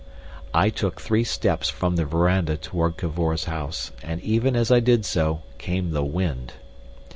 I took three steps from the verandah towards Cavor's house, and even as I did so came the wind.